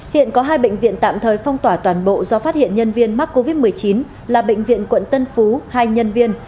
hiện có hai bệnh viện tạm thời phong tỏa toàn bộ do phát hiện nhân viên mắc covid một mươi chín là bệnh viện quận tân phú hai nhân viên